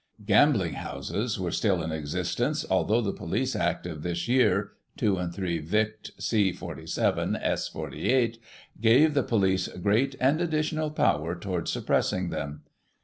Gambling houses were still in existence, although the Police Act of this year (2 & 3 Vict., c. 47, s. 48) gave the police great smd additional power towards suppressing them.